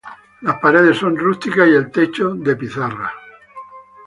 Las paredes son rústicas y el techo de pizarra.